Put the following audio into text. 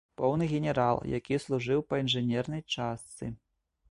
Поўны генерал, які служыў па інжынернай частцы.